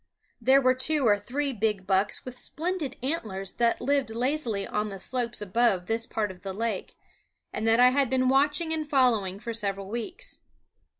There were two or three big bucks with splendid antlers that lived lazily on the slopes above this part of the lake, and that I had been watching and following for several weeks.